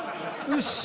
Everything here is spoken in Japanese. よし。